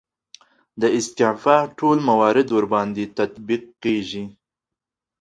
د استعفا ټول موارد ورباندې تطبیق کیږي.